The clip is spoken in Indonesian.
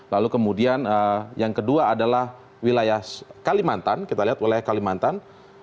lalu kemudian yang kedua adalah wilayah kalimantan kita lihat wilayah kalimantan